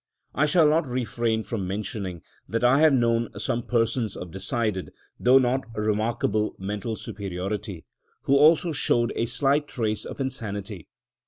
I shall not refrain from mentioning, that I have known some persons of decided, though not remarkable, mental superiority, who also showed a slight trace of insanity.